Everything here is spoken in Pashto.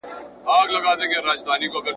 چي دهقان دلته د سونډ دانې شیندلې !.